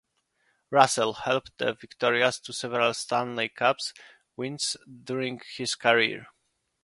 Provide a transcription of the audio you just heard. Russel helped the Victorias to several Stanley Cup wins during his career.